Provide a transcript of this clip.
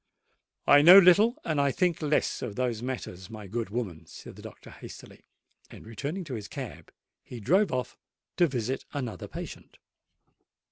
"I know little, and think less of those matters, my good woman," said the doctor hastily; and, returning to his cab, he drove off to visit another patient.